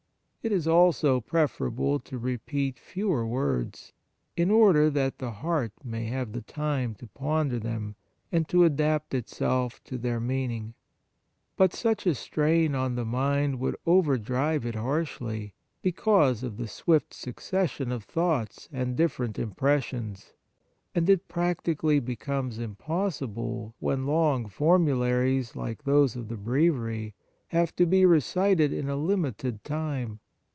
It is also preferable to repeat fewer words, in order that the heart may have the time to ponder them and to adapt itself to their meaning. But such a strain on the mind would overdrive it harshly, because of the swift succession of thoughts and different impressions ; 37 On the Exercises of Piety and it practically becomes impossible, when long formularies, like those of the Breviary, have to be recited in a limited time.